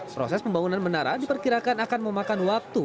proses pembangunan menara diperkirakan akan memakan waktu